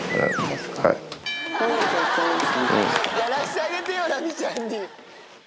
やらしてあげてよラミちゃんに。